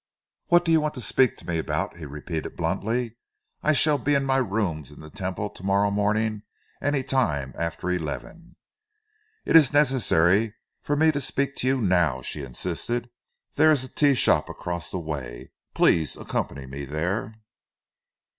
"What do you want to speak to me about?" he repeated bluntly. "I shall be in my rooms in the Temple to morrow morning, any time after eleven." "It is necessary for me to speak to you now," she insisted. "There is a tea shop across the way. Please accompany me there."